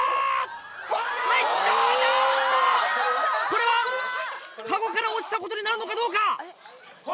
これはカゴから落ちたことになるのかどうか？